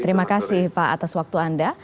terima kasih pak atas waktu anda